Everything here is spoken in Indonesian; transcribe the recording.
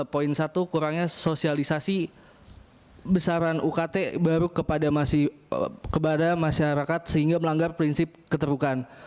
poin satu kurangnya sosialisasi besaran ukt baru kepada masyarakat sehingga melanggar prinsip keterrukan